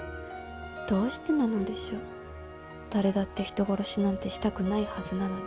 どうしてなのでしょう誰だって人殺しなんてしたくないはずなのに。